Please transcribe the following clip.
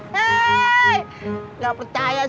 tidak ada yang nangis